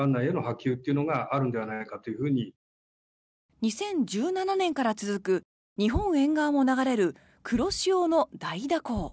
２０１７年から続く日本沿岸を流れる黒潮の大蛇行。